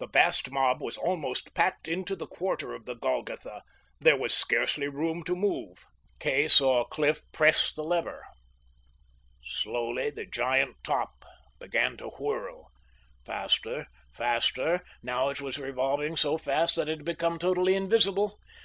The vast mob was almost packed into the quarter of the Golgotha; there was scarcely room to move. Kay saw Cliff press the lever. Slowly the giant top began to whirl. Faster ... faster.... Now it was revolving so fast that it had become totally invisible.